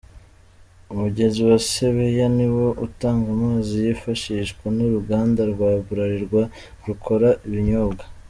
Umugezi wa Sebeya ni wo utanga amazi yifashishwa n’uruganda rwa Bralirwa rukora ibinyobwa.